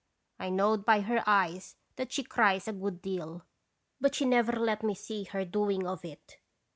I knowed by her eyes that she cries a good deal, but she never let me see her doing of it.